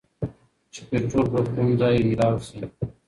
چې پيټرول به کوم ځايې مېلاؤ شي